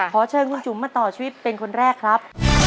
ขอเชิญคุณจุ๋มมาต่อชีวิตเป็นคนแรกครับ